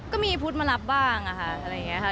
ก็มีพุทธมารับบ้างค่ะอะไรอย่างนี้ค่ะ